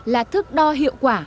là thước đo hiệu quả